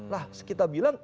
nah kita bilang